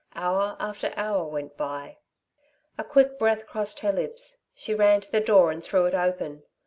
Hour after hour went by. A quick breath crossed her lips; she ran to the door and threw it open.